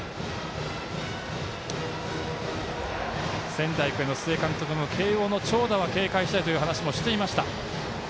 仙台育英の須江監督も慶応の長打は警戒したいという話はしていました。